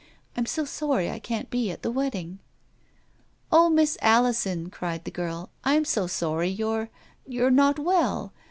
I'm so sorry I can't be at the wedding." " Oh, Miss Alison," cried the girl, " I'm so sorry you're — you're not well.